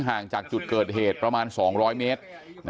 ห่างจากจุดเกิดเหตุประมาณ๒๐๐เมตร